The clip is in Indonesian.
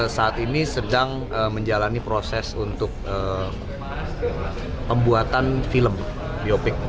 saat ini sedang menjalani proses untuk pembuatan film biopik